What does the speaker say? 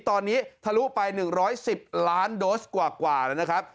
ตอนนี้ทะลุไป๑๑๐ล้านโดสกว่าแล้วนะครับ